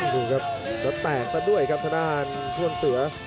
ดูครับแล้วแตกซะด้วยครับทางด้านพ่วงเสือ